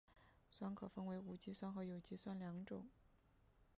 酸可分为无机酸和有机酸两种。